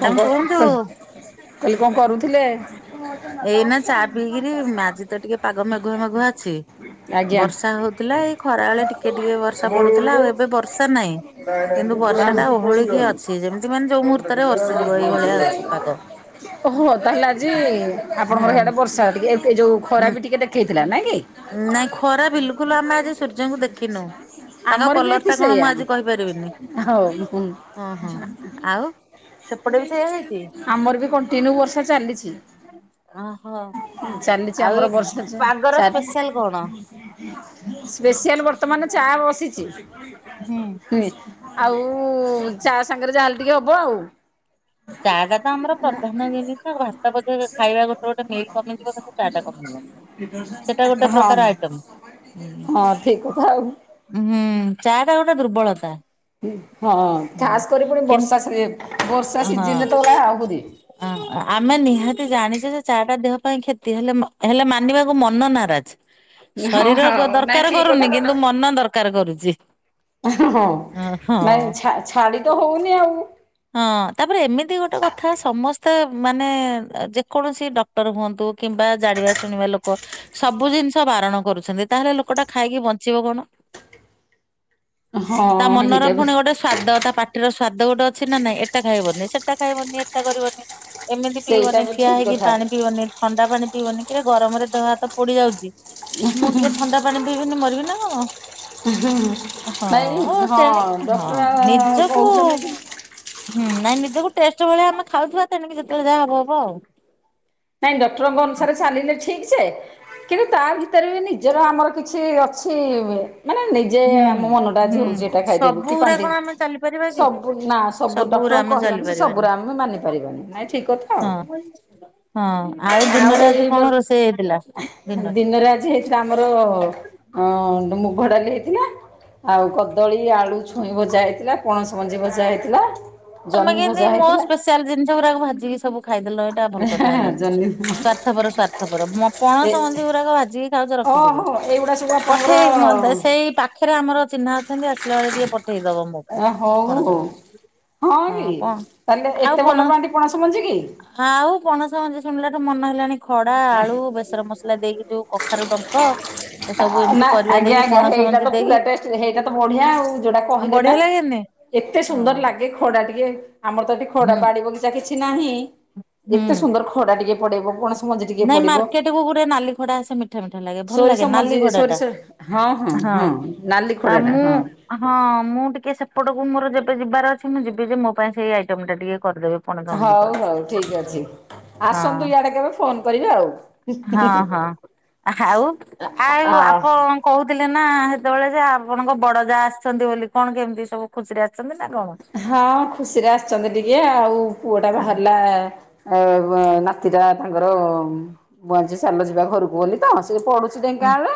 କଣ କ କୁହନ୍ତୁ। ସରି କହିଲି କଣ କରୁଥିଲେ? ଏଇ ନା ଚା ପିଇକିରି ଆଜି ତ ଟିକେ ପାଗ ମେଘୁଆ ମେଘୁଆ ଅଛି। ଆଜ୍ଞା। ବର୍ଷା ହଉଥିଲା ଏଇ ଖରା ବେଳେ ଟିକେ ଟିକେ ବର୍ଷା ଓହୋ ପଡୁଥିଲା ଆଉ ଏବେ ବର୍ଷା ନାହିଁ। ତାହେଲେ ଆଜି କିନ୍ତୁ ବର୍ଷା ଟା ଓହଳି କି ଅଛି ଯେମିତି ମାନେ ଯୋଉ ମୁହୂର୍ତ୍ତ ରେ ବର୍ଷିଯିବ ଏଇଭଳିଆ ଅଛି ପାଗ। ଓହୋ ତାହେଲେ ଆଜି ଆପଣଙ୍କର ଇଆଡେ ବର୍ଷା ଟିକେ ଏ ଯୋଉ ଖରା ହୁଁ ବି ଟିକେ ଦେଖେଇଥିଲା ନାଇଁ କି? ନାଇଁ ଖରା ବିଲକୁଲ ଆମେ ଆଜି ସୂର୍ଯ୍ୟଙ୍କୁ ଦେଖିନୁ। ତାଙ୍କ ଆମର ବି କଲର ଟା ଏଠି କଣ ମୁଁ ସେୟା। ଆଜି କହିପାରିବିନି ହଉ ହୁଁ। ହଁ ହଁ ଆଉ? ସେପଟେ ବି ସେଇଆ ହେଇଛି। ଆମର ବି କଣ୍ଟିନ୍ୟୁ ବର୍ଷା ଚାଲିଛି। ଓହୋ ଚାଲିଛି ଆଉ ଏଇ ଆମର ବର୍ଷା ପାଗର ସ୍ପେଶାଲ କଣ? ସ୍ପସିଆଲ ବର୍ତ୍ତମାନ ଚା ବସିଛି। ହୁଁ ଆଉ ଚା ସାଙ୍ଗରେ ଯାହାଲେ ଟିକେ ହବ ଆଉ। ଚା ଟା ତ ଆମର ପ୍ରଧାନ ଜିନିଷ ବାତାବ ଖାଇବା ଗୋଟେ ଗୋଟେ ମିଲ୍ କମିଯିବ ଚା ଟା କମିବନି ସେଟା ଗୋଟେ ହଁ ପ୍ରକାର ଆଇଟମ। ହଁ ଠିକ କଥା ଆଉ। ହୁଁ ଚା ଟା ଗୋଟେ ଦୁର୍ବଳତା। ହଁ ହଁ ଖାସ୍ କରି ପୁଣି କିନ୍ତୁ ବର୍ଷା ସି ବର୍ଷା ହଁ। ସିଜିନରେ ତ ଗଲା ଆହୁରି। ଅ ଆମେ ନିହାତି ଜାଣିଛେ ଯେ ଚାଟା ଦେହ ପାଇଁ କ୍ଷତି ହେଲେ ହେଲେ ମାନିବାକୁ ମନ ନାରାଜ। ହଁ ଶରୀର ହଉ ନାଇଁ ଦରକାର ଠିକ କରୁନି କଥା ତ କିନ୍ତୁ ମନ ଦରକାର କରୁଛି। ହଁ ନାଇଁ ହଁ। ଛା ଛାଡି ତ ହଉନି ଆଉ। ହଁ ତାପରେ ଏମିତି ଗୋଟେ କଥା ସମସ୍ତେ ମାନେ ଯେକୌଣସି ଡକ୍ଟର ହୁଅନ୍ତୁ। କିମ୍ବା ଜାଣିବା ଶୁଣିବା ଲୋକ। ସବୁ ଜିନିଷ ବାରଣ କରୁଛନ୍ତି ତାହେଲେ ଲୋକଟା ଖାଇକି ବଞ୍ଚିବ କଣ? ହଁ ତା ମନର ହେଇଟା ବି ପୁଣି ଗୋଟେ ସ୍ଵାଦ ତା ପାଟିର ସ୍ଵାଦ ଗୋଟେ ଅଛି ନା ନାଇଁ ଏଟା ଖାଇବନି ସେଟା ଖାଇବନି ଏଟା କରିବନି। ଏମିତି ସେଇଟା ପିଇବନି ବି ଠିଆ ଠିକ ହେଇକି କଥା ପାଣି ପିଇବନି ଥଣ୍ଡା ପାଣି ପିଇଵନି କିରେ ଗରମରେ ଦେହ ହାତ ପୋଡିଯାଉଛି। ମୁଁ ଟିକେ ଥଣ୍ଡା ପାଣି ପିଇବିନି ମରିବି ନା କଣ। ନାଇଁ ହଁ ହଁ ତେଣ ହଁ ଡକ୍ଟର ନିଜକୁ କହୁଛନ୍ତି ହୁଁ ନାଇଁ ନିଜକୁ ଟେଷ୍ଟ ଭଳି ଆମେ ଖାଉଥିବା ତେଣିକି ଯେତେବେଳେ ଯାହା ହବ ହବ ଆଉ। ନାଇଁ ଡକ୍ଟରଙ୍କ ଅନୁସାରେ ଚାଲିଲେ ଠିକ୍ ସେ କିନ୍ତୁ ତା ଭିତରେ ବି ନିଜର ଆମର କିଛି ଅଛି। ସେିବ [inaudible] ନିଜେ ହୁଁ ଆମ ମନ ଟା ହୁଁ ଆଜି ହଉଛି ଏଇଟା ଖାଇଦେବି ସବୁ କି ଗୁରା ପାନ୍ତିୁ କଣ ଆମେ ଚାଲିପାରିବା କି? ସବୁ ସବୁ ଗୁରା ଡକ୍ଟର ଆମେ ଚାଲି କହିବାନି ସେ ପାରିବାନି ସବୁ ଆମେ ମାନି ପାରିବାନି ନାଇଁ ଠିକ କଥା ଆଉ। ହଁ ହଁ ଆଉ ଦିନରେ ଆଜି ଏଇ କଣ ବ ରୋଷେଇ ହେଇଥିଲା ଦିନରେ ଆଜି ହେଇ ଏଇଟା ଆମର ଅ ମୁଗଡାଲି ହେଇଥିଲା। ଆଉ କଦଳୀ ଆଳୁ ଛୁଇଁ ଭଜା ହେଇଥିଲା ପଣସ ମଞ୍ଜି ଭଜା ହେଇଥିଲା। ତମେ ଜହ୍ନି କେମତି ଭଜା ମୋ ହେଇଥିଲା ସ୍ପେଶଆଲ ଜିଷ ଗୁଡାକୁାଜିକି ସବୁ ଖାଇଦେଲ ଏଇଟା ଭଲଥା ହୋନଣି। ଜହ୍ନି ସ୍ଵାର୍ଥପର ସ୍ଵାର୍ଥପର ଏ ପଣସ ମଞ୍ଜି ଗୁଡାକ ଭାଜିକି ଖାଉଛ ଓହୋ ରଖିଦିବ। ଏଇଗୁଡ଼ା ସବୁ ଆପଣଙ୍କର ପଠେଇ ସେଇ ପାଖ ପାଖରେ ଆମର ଚିହ୍ନା ଅଛନ୍ତି ଆସିଲା ବେଳେ ଟିକେ ପଠେଇ ଦବ ମୋ ପାଇଁ ହଉ କଣ ହଉ। ସମ। ହଁ କି ତାହେଲେ ଏତେ ଭଲ ପ୍ରାଧ ପଣାସ ମଞ୍ଜି କି? ହଁ ଆଉ ପଣସ ମଞ୍ଜି ଶୁଣିଲା ଟୁ ମନ ହେଲାଣି ଖଡା ଆଳୁ ବେସନ ମସଲା ଦେଇକି ଯୋଉ କଖାରୁ ଡଙ୍କ ଏ ସବୁ ଏମିତି ନା କରି ଆଜ୍ଞା ଆଜ୍ଞା ସେଇଟା ତ ପୁରା ସେଇଟା ତ ବଢିଆ ଆଉ ଯୋଉଟା କହିଲେ ନା। ବଢିଆ ଲାଗେନି? ଏକତେ ହଁ ସୁନ୍ଦର ଲାଗେ ଖା ଟିକେ ଆମର ତ ଏଠିକ ହୁଁ ଖା ବାଡି ବଗିଚା କିଛି ନାହିଁ ହୁଁ ଏତେ ସୁନ୍ଦର ଖଡା ଟିକେ ପଡିବ କଣସି [inaudible] ନାଇଁ ମାର୍କେଟ କୁ ପୁରା ନାଲି ଖଡା ଆସେ ମିଠା ମିଠା ଲାଗେ ଭଲ ସୋରିଷ ଲାଗେ ମଞ୍ଜି ନାଲି ଖଡା ସୋରିଷ ଟା। ହଁ ହଁ ହଁ ନାଲି ଆଉ ଖୋଡ଼ଟା ମୁଁ ହଁ। ହଁ ମୁଁ ଟିକେ ସେପଟକୁ ମୋର ଯେବେ ଯିବାର ଅଛି ମୁଁ ଯିବି ଯେ ମୋ ପାଇଁ ସେଇ ଆଇଟମ ଟା ଟିକେ କରିଦେବି। ହଉ ହଉ ଠିକ ଅଛି ହଁ। ଆସନ୍ତୁ ଇଆଡେ କେବେ ଫୋନ କରେ ଆଉ। ହଁ ହଁ ଆଉ ଆଉ ଆ ଆପଣ କହୁଥିଲେ ନା ସେତେବେଳେ ଯେ ଆପଣଙ୍କ ବଡ ଯାହା ଆସିଛନ୍ତି ବୋଲି କଣ କେମିତି ସବୁ ଖୁସିରେ ଆସିଛନ୍ତି ନା କଣ? ହଁ ଖୁସିରେ ଆସିଛନ୍ତି ଟିକେ ଆଉ ପୁଅ ଟା ବାହାରିଲା ଏ ନାତିଟା ତାଙ୍କର ବଆଜି ସାଲ ଯିବା ଘରକୁ ଗଲି ତ ସେ ପଢୁ ହୁଁ ଢେଙ୍କାନାଳରେ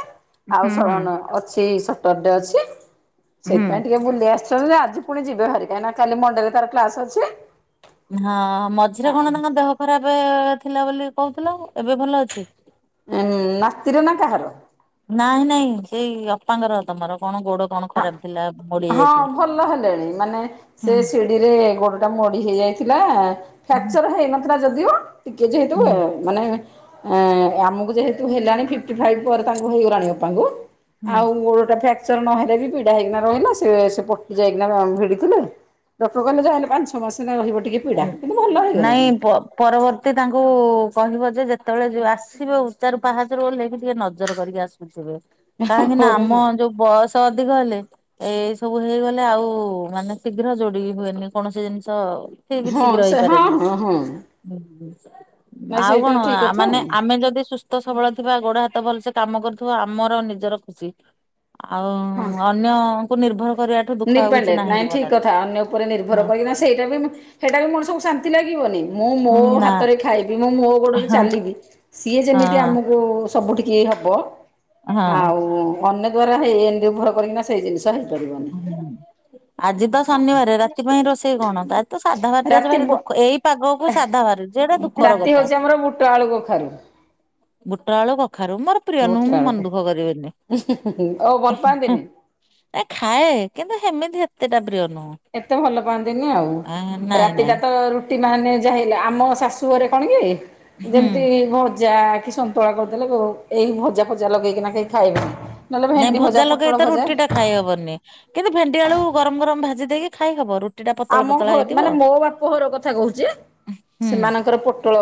ଆଉ ହୁଁ ହୁଁ ଶରଣ ଅଛି ସଟର୍ଡେ ଅଛି। ହୁଁ। ସେଇଥିପାଇଁ ଟିକେ ବୁଲି ଆସିଛନ୍ତି ଯେ ଆଜି ପୁଣି ଯିବ ବେହାରି କାଇଁ ନା କାଲି ମଣ୍ଡେରେ ତାର କ୍ଲାସ ଅଛି। ହଁ ମଝିରେ କଣ ତାଙ୍କ ଦେହ ଖରାପ ଥିଲା ବୋଲି କହୁଥିଲ। ଏବେ ଭଲ ଅଛି? ଉଁ‌ ନାତୀର ନା କାହାର? ନାଇଁ ନାଇଁ ଏଇ ଅପାଙ୍କର ତମର କଣ ଗୋଡ କଣ ଖରାପ ଥିଲା। ମୋଡି ହଁ ଯାଇଥିଲେ। ଭଲ ହେଲେଣି ମାନେ ସେ ହୁଁ ସିଡିିରେ ଗୋଡଟା ମୋଡି ହେଇଯାଇଥିଲା ଫ୍ରାକଚର ହେଇନ ଯଦିଓ ଟିକେ ଯେହେତୁ ଏ ହୁଁ ମାନେ ଆମକୁ ଯେହେତୁ ହେଲାଣି ଫିଫ୍ଟି ଫାଇଭ୍ ପରେ ତାଙ୍କୁ ହେଇଗଲାଣି ବାପାଙ୍କୁ ହୁଁ। ଆଉ ଗୋଡଟା ଫ୍ରାକ୍ଚର ନହେଲେ ବି ପିଡା ହେଇକିନା ରହିଲା। ସିଏ ସେ ପଟି ଯାଇକିନା ଭିଡିଥିଲେ। ଡକ୍ଟର କହିଲେ ଯାହା ହେଲେ ପାଞ୍ଚଛଅ ମାସେ ଏଇନା ରହିବ ପୀଡ଼ା କିନ୍ତୁ ଭଲ ନାଇଁ ହେଇଗଲାଣି। ବ ପରବର୍ତ୍ତୀ ତାଙ୍କୁ କହିବ ଯେ ଯେତେବେଳେ ଆସିବେ ଉଚାରୁ ପାହାଚରୁ ଓହ୍ଲେଇଲି ଟିକେ ନଜର କରିକି ଆସିବେ। କାହିଁକି ନା ଆମ ଯୋଉ ବୟସ ଅଧିକ ହେଲେ ଏଇ ସବୁ ହେଇଗଲେ ଆଉ ମାନେ ଶୀଘ୍ର ଯୋଡିକି ହୁଏନି କୌଣସି ଜିନିଷ। ଠିକ ହଁ ଶୀଘ୍ର ସେ ହଁ ହେଇପାରେନି। ହଁ ହଁ ନାଇଁ ଆଉ ସେଇଟା କଣ ଠିକ କଥା ମାନେ ଆଉ ଆମେ ଯଦି ସୁ ସ୍ଥ ସବଳ ଥିବା ଗୋଡ ହାତ ଭଲସେ କାମ କରୁଥିବା ଆମର ନିଜର ଖୁସି। ଆଉ ହଁ। ଅନ୍ୟ କୁ ନିର୍ଭର କରିବାଠୁ ଦୁଃଖ ଆଉ କିଛି ଡିପେଣ୍ଡେଣ୍ଟ ନାହିଁ ନାଇଁ ଠିକ ଜୀବନରେ। କଥା ଅନ୍ୟ ଉପରେ ନିର୍ଭର କରିକିନା ସେଇଟା ବି ମ ହେଇଟାବି ମଣିଷକୁ ଶାନ୍ତି ଲାଗିବନି ମୁଁ ମୋ ହୁଁ ନା ହାତରେ ଖାଇବି ମୁଁ ମୋ ଗୋଡରେ ହଁ। ଚାଲିବି। ସିଏ ଯେମିତି ଆମକୁ ସବୁଠିକି ହବ ହଁ ଆଉ ଅନ୍ୟ ଦ୍ଵାରା ହେଇ ନିର୍ଭର କରିକିନା ସେଇ ଜିନି [unintelligible] ହଁ ଆଜି ତ ଶନିବାରେ ରା ସେଥିପାଇଁ ରୋଷେଇ କଣ ତାର ତ ସାଧା ବାରିଟା ଆଜି ରାତି ଭାରି ବ ଦୁଃଖ ଏଇ ପାଗକୁ ସାଧା ଭାରି ଯେଡ଼େ ଦୁଃଖର ରାତି କଥା। ହଉଛି ଆମର ବୁଟ ଆଳୁ କଖାରୁ। ବୁଟ ଆଳୁ କଖାରୁ ମୋର ପ୍ରିୟ ବୁଟ ନୁହଁ ମୁଁ ଆଳୁ ମନ ଦୁଃଖ କରିବିନି। ଓ ଭଲ ପାଆନ୍ତିନି? ଏ ଖାଏ କିନ୍ତୁ ହେମିତି ହେତେଟା ପ୍ରିୟ ନୁହଁ। ଏତେ ଭଲ ପାଆନ୍ତିନି ଆଉ ଆ ନାଇଁ ରାତିଟା ନାଇଁ। ତ ରୁ ତି ମାନେ ଯାହେଲେ ଆମ ଶାଶୁ ଘରେ କଣ କି ହୁଁ ଯେମତି ଭଜା କି ସ ତୁଳା କରିଦେଲେ କୁ ଭଜା ଫଜା ଲଗେଇକିନା କେହି ଖାଇବେନି। ନହେଲେ ନାଇଁ ଭେଣ୍ଡି ଭଜା ପୋଟଳ ଲଗେଇ ତ ଭଜା ରୁଟି ଟା ଖାଇହବନି କିନ୍ତୁ ଭେଣ୍ଡି ଆଳୁ ଗରମ ଗରମ ଭାଜି ଦେଇକି ଖାଇହବ ରୁ ଆମ ଘ ମାନେ ମୋ ବାପ ଘର କଥା କହୁଛି ହୁଁ ସେମାନଙ୍କର ପୋଟଳ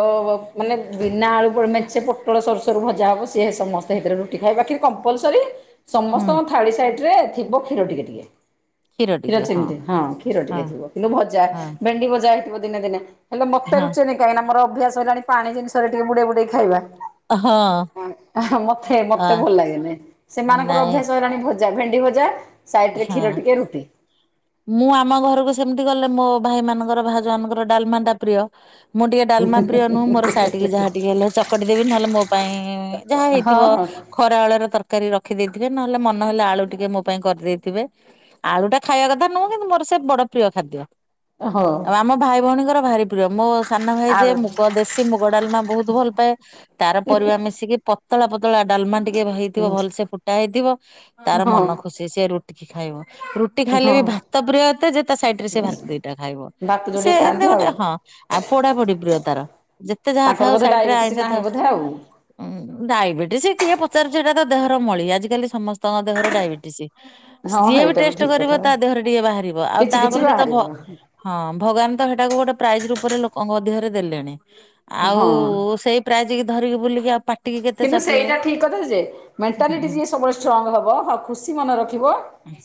ମାନେ ବିନା ଆଳୁ ଫଳୁ ମେଞ୍ଚେ ପୋଟଳ ସରୁ ସରୁ ଭଜା ହବ ସିଏ ସମସ୍ତେ ହେଥିରେ ରୁଟି ଖାଇବେ ବାକି କମ୍ପୂଲ୍ସୁରୀ ହୁଁ ସମସ୍ତଙ୍କ ଥାଳି ସାଇଟରେ ଥିବ କ୍ଷୀର ଟିକେ ଟିକେ। କ୍ଷୀର ସେମିତି ହଁ କ୍ଷୀର ହଁ ଟିକେ। କିନ୍ତୁ ଭଜା ହଁ ଭେଣ୍ଡି ଭଜା ହେଇଥିବ ଦିନେ ଦିନେ ହେଲେ ମତେ ହଁ ରୁଚେନି। କାହିଁକିନା ମୋର ଅଭ୍ୟାସ ହେଲାଣି ପାଣି ଜିନିଷରେ ଟିକେ ବୁଡେଇ ବୁଡେଇ ଖାଇବା। ହଁ ମତେ ଅ ମତେ ଭଲ ଲାଗେନି ସେମାନଙ୍କର ନାଇଁ ଅଭ୍ୟାସ ହେଲାଣି ଭ ଜା ଭେଣ୍ଡି ଭଜା ସାଇଡ ରେ ହଁ। କ୍ଷୀର ଟିକେ ରୁଟିି। ମୁଁ ଆମ ଘରକୁ ସେମିତି ଗଲେ ମୋ ଭାଇ ମାନଙ୍କର ଭାଉଜ ମାନଙ୍କର ଡାଲମା ଟା ପ୍ରିୟ। ମୁଁ ଟିକେ ଡାଲମା ପ୍ରିୟ ନୁହଁ ମୋର ସାଇଟିକି ଯାହା ଟିକେ ହେଲେ ଚକଟି ଦେବି ନହେଲେ ମୋ ପାଇଁ ଯାହା ହଁ ହେଇଥିବ ହଁ ଖରାବେଳର ତରକାରୀ ରଖିଦେଇଥିବେ ନହେଲେ ମନ ହେଲେ ଆଳୁ ଟିକେ ମୋ ପାଇଁ କରିଦେଇ ଥିବେ ଆଳୁ ଟା ଖାଇବା କଥା ନୁହେଁ କିନ୍ତୁ ମୋର ସେ ବଡ ପ୍ରିୟ ଖାଦ୍ୟ। ହଁ। ଆଉ ଆମ ଭାଇ ଭଉଣୀଙ୍କର ଭାରି ପ୍ରିୟ ମୋ ସାନ ଭାଇ ଯିଏ ଆଳୁ ମୁଗ ଦେଶୀ ମୁଗ ଡାଲମା ବହୁତ ଭଲ ପାଏ। ତାର ପରିବା ମିଶିକି ପତଳା ପତଳା ଡାଲମା ଟିକେ ହେଇଥିବ ଭଲସେ ଫୁଟା ହେଇଥିବ ତାର ହଁ ମନ ଖୁସି ସେ ରୁ ଖାଇବ ରୁଟି ଖାଇଲେ ବି ହଁ ଭାତ ପ୍ରିୟ ଏତେ ଯେ ତା ସାଇଡରେ ସେ ଭାତ ଦିଟା ଖାଇବ। ଭାତ ସେ ଯୋଡିଏ ଏମିତି ଖାଆନ୍ତି ଆଉ ଗୋଟେ ହଁ ଆଉ ପୋଡା ପୋଡି ପ୍ରିୟ ତାର। ଯେତେ ଯାହା ତାଙ୍କର ଥାଉ ବୋଧେ ସାଇଟ ରେ ଡାଇବେଟିସ୍ ଆଇଁଷା ନାହିଁ ଥାଉ ବୋଧେ ଆଉ ଉଁ ଡାଇବେଟିସ କିଏ ପଚାରୁଚି ଏଟା ତ ଦେହର ମଳି ଆଜିିକାଲି ସମସ୍ତଙ୍କ ଦେହରେ ଡାଇବେଟିସ। ହଁ ଯିଏ ବି ଏଇଟା ଟେଷ୍ଟ ଠିକ୍ କଥା କରିବ ତା ଦେହରେ ଟିକେ ବାହାରିବ ଆଉ କିଛି ତା କିଛି ବୋଲି ତ ବାହାରିବ ଭ ହଁ ଭଗବାନ ତ ହେଟାକୁ ଗୋଟେ ପ୍ରାଇଜ ରୂପରେ ଲୋକଙ୍କ ମଧ୍ୟରେ ଦେଲେଣି ଆଉ ହଁ। ସେଇ ପ୍ରାଇଜିକି ଧରିକି ବୁଲିକି ଆଉ ପା କିନ୍ତୁ ସେଇଟା ଠିକ୍ କଥା ଯେ ହୁଁ ମେଣ୍ଟାଲିଟି ଯିଏ ସବୁବେଳେ ଷ୍ଟ୍ରଙ୍ଗ ହବ ହଁ ଖୁସି ମନେ ରଖିବ।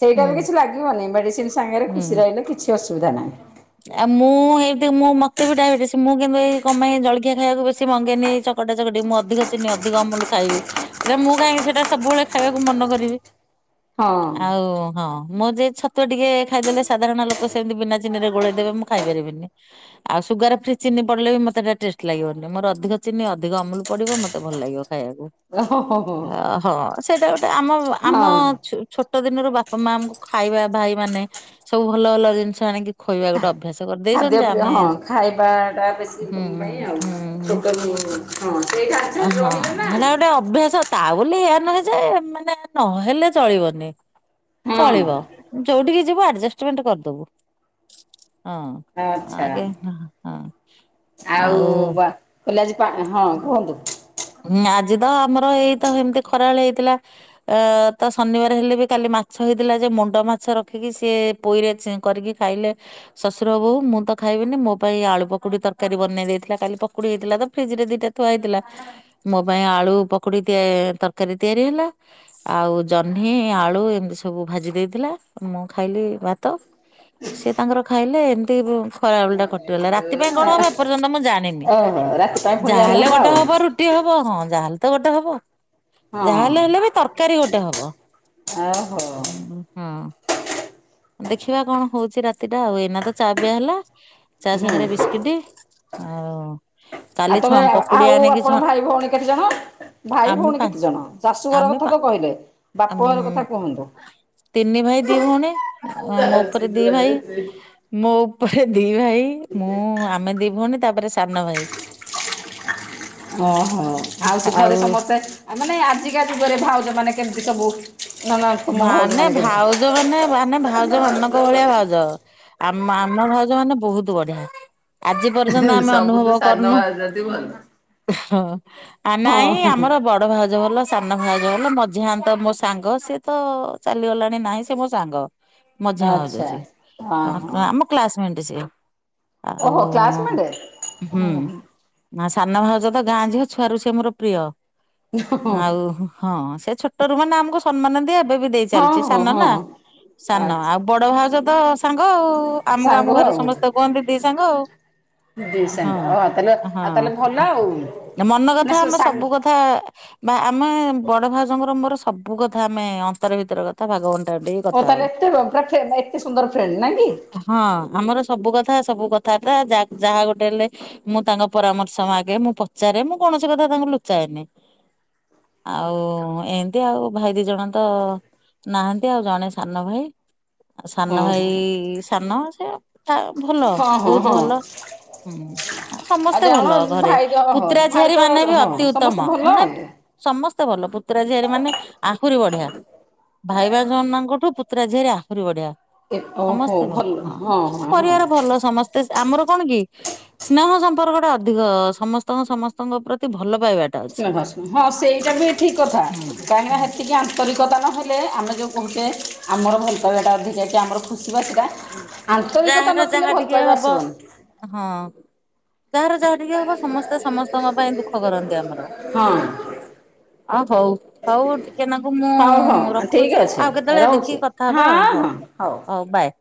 ସେଇଟା ହୁଁ ବି କିଛି ଲାଗିବନି ମେଡିସିନ ସାଙ୍ଗରେ ହୁଁ। ଖୁସି ରହିଲେ କିଛି ଅସୁବିଧା ନାହିଁ। [unintelligible] ଆଉ ମୁଁ ଏ ମୁଁ ମତେ ବି ଡାଇବେଟିସ୍ ମୁଁ କିନ୍ତୁ ଏଇ କପାଇଁ ଏ ଜଳଖିଆ ଖାଇବାକୁ ବେଶୀ ମଙ୍ଗେନି ଏ ଚ କଟା ଚକଟି ମୁଁ ଅଧିକ ଚିନି ଅଧିକ ଅମୁଲୁ ଖାଇବି ହେଲେ ମୁଁ କାହିଁକି ସେଟା ସବୁବେଳେ ଖାଇବାକୁ ମନ କରିବି। ଆଉ ହଁ ହଁ ମୁଁ ଯେ ଛତୁ ଟିକେ ଖାଇଦେଲେ ସାଧାରଣ ଲୋକ କ ସେମିତି ବିନା ଚିନିରେ ଗୋଲେଇ ଦେବେ ମୁଁ ଖାଇ ପାରିବିନି। ଆଉ ସୁଗାର ଫ୍ରି ଚିନି ପଡିଲେ ବି ମତେ ହେଟା ଟେଷ୍ଟ ଲାଗିବନି ମୋର ଅଧିକ ଚିନି ଅଧିକ ଅମୁଲ୍ ପଡିବ ମ ମତେ ଭଲ ଲାଗିବ ଖାଇବାକୁ ହଁ ହଁ ସେଇଟା ଗୋଟେ ଆମ ଆମ ହଁ ଛ। ଛୋଟ ଦିନରୁ ବାପା ମାଙ୍କୁ ଖାଇବା ଭାଇ ମାନେ ସବୁ ଭଲ ଭଲ ଜିନିଷ ଆଣିକି ଖୋଇବା ଗୋଟେ ଅଭ୍ୟାସ। କରିଦେଇଛନ୍ତି ଯେ ଖାଦ୍ୟ ଆମେ ହଁ ଖାଇବାଟା ବେଶୀ ହୁଁ ତମ ହୁଁ ପାଇଁ ଆଉ ହୁଁ ଛୋଟରୁ ହୁଁ। ହଁ ହଁ ସେଇଟା। ଓ ହଁ ହେଟା ଗୋଟେ ଅଭ୍ୟାସ। ତା ବୋଲି ଏୟା ନୁହେଁ ଯେ ମାନେ ନହେଲେ ଚଳିବନି ହଁ ଚଳିବ। ଯୋଉଠିକି ଯିବୁ ଆଡଜଷ୍ଟମେଣ୍ଟ କରିଦବୁ ହଁ। ଆଚ୍ଛା ଆଜ୍ଞା ହଁ ଆଉ। କହିଲେ ଆଜି ପା ହଁ କୁହନ୍ତୁ। ! ହଁ ଆଜି ତ ଆମର ଏଇତ ଏମିତି ଖରାବେଳ ହେଇଥିଲା। ଅ ତା ଶନିବାର ହେଲେ ବି କାଲି ମାଛ ହେଇଥିଲା ଯେ ମୁଣ୍ଡ ମାଛ ରଖିକି ସିଏ। ପୋଇରେଚେକରିକି ଖାଇଲେ। ଶ୍ୱଶୁର ବୋହୁ ମୁଁ ତ ଖାଇବିନି ମୋ ପାଇଁ ଆଳୁ ପକୋଡି ତରକାରୀ ବନେଇ ଦେଇଥିଲା କାଲି ପକୋଡି ହେଇଥିଲା ତ। ଫ୍ରିଜ ରେ ଦିଟା ଥୁଆ ହେଇଥିଲା ମୋ ପାଇଁ ଆଳୁ ପକୋଡି ତରକାରୀ ତିଆରି ହେଲା। ଆଉ ଜହ୍ନି ଆଳୁ ଏମିତି ସବୁ ଭାଜି ଦେଇଥିଲା ମୁଁ ଖାଇଲି ଭାତ। ସେିଏ ତାଙ୍କର ଖାଇଲେ ଏମିତି ଖରା ବେଲା ଟା କଟିଗଲା। ର ରାତି ପାଇଁ କଣ? ହବ ଏପର୍ଯ୍ୟନ୍ତ ମୁଁ ଜାଣିନି ଓହୋ ରାତି ପାଇଁ ପୁଣି ଯାହା ଯାହେଲେ ହେଲେ ଗୋଟେ ଆଉ ହବ ରୁ ରୋଟି ହବ ହଁ ଯାହାହେଲେ ତ ଗୋଟେ ହବ। ଯାହାହେଲେ ହେଲେ ହଁ ବି ତରକାରୀ ଗୋଟେ ହବ ଓହୋ ହଁ। ଦେଖିବା କଣ ହଉଛି ରାତିଟା ଆଉ ଏଇନା ତ ଚା ପିୟା ହେଲା ଚା ହୁଁ ସାଙ୍ଗରେ ବିସ୍କୁଟ। କେତେ ଆଉ। ଆଉ କାଲି ଛ ତମେ ପକୁଡି ଆଉ ଆଣିକି ଛ ଆପଣ ଭାଇ ଭଉଣୀ କେତେ ଜଣ ଭାଇ ଆମେ ଭଉଣୀ ପାଞ୍ଚ କେତେ ଜଣ ଶାଶୁ ଘର ଆମେ କଥା ପା ତ କହିଲେ? ଉଁ ବାପ ଘର କଥା କୁହନ୍ତୁ? ତିନି ଭାଇ ଦି ଭଉଣୀ। ହ ମୋ ଉପରେ ଦି ଭାଇ ମୋ ଉପରେ ଦି ଭାଇ ମୁଁ। ମୁଁ ଆମେ ଦି ଭଉଣୀ ତାପରେ ସାନ ଭାଇ। ହଁ ହଁ ଆଉ ସେ ଘରେ ସମସ୍ତେ ମାନେ ଆଜିକା ଯୁଗରେ ଭାଉଜ ମାନେ କେମିତି ସବୁ। ନା ନା ତୁମ ଭାଉଜ ମାନେ କେମିତି? ଭାଉଜ ମାନେ ମାନେ ଭାଉଜ ମାନଙ୍କ ଭଳିଆ ଭାଉଜ। ଆମ ଆମ ଭାଉଜ ମାନେ ବହୁତ ବଢିଆ। ଆଜି ପର୍ଯ୍ୟନ୍ତ ଆମେ ସବୁଠୁ ଅନୁଭବ ସାନ କରୁନୁ। ଭାଉଜଟି ଭଲ। ହ ନାଇଁ ହଁ ଆମର ବ। ବଡ଼ ଭାଉଜ ଭଲ ସାନ ଭାଉଜ ଭଲ ମଝିଆ ନ୍ତାମୋ ସାଙ୍ଗ ସେ। ତ ଚାଲିଗଲାଣି ନାହିଁ ସେ ମୋ ସାଙ୍ଗ ମଝିଆ ଭାଉଜ ଆଚ୍ଛା ଯେ ହଁ କ ହଁ। ଆମ। କ୍ଲାସମେଟ ସ ଆଉ ଓହୋ କ୍ଲାସମେଟ ହୁଁ। ହଁ ନା ସାନ ଭାଉଜ ତ ଗାଁ ଝିଅ ଛୁଆ ର ସେି ମୋର ପ୍ରିୟ। ଆଉ ହଁ ସେ ଛୋଟ ର ମାନେ ଆମକୁ ସମ୍ମାନ ଏବେ ବି ଦେଇ ଚାାଲିଛି ହଁ ସାନ ନା ହଁ। ସାନ ଆଚ୍ଛା ଆଉ ବଡ ଭାଉଜ ତ ସାଙ୍ଗ ଆଉ ଆମକୁ ସାଙ୍ଗ ଆମ ଘରେ ସମସ୍ତେ କୁହନ୍ତି ଦି ସାଙ୍ଗ ଆଉ। ଦିଇ ସାଙ୍ଗେ ହଁ ଆଉ ତାହେଲେ ଆଉ ତାହେଲେ ଭଲ ହଁ ଆଉ। ମନ ମାନେ କଥା ଆମେ ସାଙ୍ଗ ସବୁ କଥା ବା ଆମେ ବଡ ଭାଉଜଙ୍କର ମୋର ସବୁ କଥା ଆମେ ଅନ୍ତର ଭିତରେ କଥା [inaudible] ବାଗଉ ଟାନ୍ତି ମୁଁ ତାହେ ଏତ ପୁରା ଏତେ ସୁନ୍ଦର ଫ୍ରେଣ୍ଡ ନଆ କି? ହଁ ଆମର ସବୁ କଥା ସବୁ କଥାଟା ଯାହା ଗୋଟେ ହେଲେ ମୁଁ ତାଙ୍କ ପରାମର୍ଶ ମାଗେ ମୁଁ ପଚାରେ ମୁଁ କୌଣସି କଥା ତାଙ୍କୁ ଲୁଚାଏନି। ଆଉ ଉ ଉ ଏନ୍ତି ଆଉ ଭାଇ ଦି ଜଣ ତ ଅ ଅ ନାହାନ୍ତି ଆଉ ଜଣେ ସାନ ଭାଇ। ସାନ ହଁ ଭାଇ ହଁ ଇ ଇ ଇ ସାନ ସେ ତା ଭଲ ହଁ ହଁ ବହୁତୁ ହଁ ଭଲ। ହୁଁ ଆ ଆଉ ସମସ୍ତେ ଜଣ ଭଲ ଘରେ ଭାଇ ତ ହଁ ପୁତୁରା ଭାଇ ଝିଆରି ତ ମାନେ ବି ହଁ ଅତି ଉତ୍ତମ ସମସ୍ତେ ଭଲ ହଁ ନା ଆଉ। ସମସ୍ତେ ଭଲ ପୁତୁରା ଝିଆରି ମାନେ ଆହୁରି ବଢ଼ିଆ। ଭାଇ ଭାଉଜ ମାନଙ୍କଠୁ ପୁୁତୁରା ଝିଆରି ଆହୁରି ବଢ଼ିଆ। ଓହୋ ସମସ୍ତେ ଭଲ ହଁ ଆମ ହଁ ହଁ ପରିବାର ଭଲ ସମସ୍ତ ତେ ଆମର କଣ କି ସ୍ନେହ ସମ୍ପର୍କ ଟା ଅଧିକ ସମସ୍ତଙ୍କ ସମସ୍ତଙ୍କ ପ୍ରତି ଭଲ ପାଇବା ସ୍ନେହ ହଁ ସେଇଟା ବି ଠିକ୍ କଥା ହୁଁ ହୁଁ। କାହିଁକିନା ହେ ତିକି ଆନ୍ତରିକତା ନହେଲେ ଆମେ ଯଉଁ କହୁଚେ ଆମର ଭଲପାଇବାଟା ଅଧିକା କି ଆମର ଖୁସି ବାସିଟା ଆନ୍ତରିକତା ଯାହାର ନଥିଲେ ଯାହା ଭଲ ଟିକେ ପାଇବା ହବ ଆସିବନି। ହଁ ଯାହାର ଯାହା ଟିକେ ହବ ସମସ୍ତେ ସମସ୍ତଙ୍କ ପାଇଁ ଦୁଃଖ କରନ୍ତି ଆମର। ହଁ। ଅଁ ହଉ ହଉ ଟିକେ ନାକୁ ମୁଁ ଉଁ ହଉ ହଉ ଉଁ ଉଁ ଠିକ୍ ରଖୁଚି ଅଛି ଆଉ କେତେବେଳେ ରହୁଛି ଦେଖିକି କ ଥା ହବା ହଁ ଆଉ ହଉ ହଁ ହଉ ବାଏ।